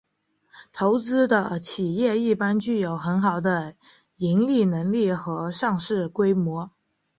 投资的企业一般具有很好的盈利能力和上市规模。